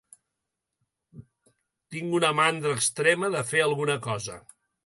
Tinc una mandra extrema de fer alguna cosa.